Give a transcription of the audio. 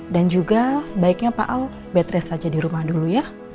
dan juga sebaiknya pak al bed rest aja di rumah dulu ya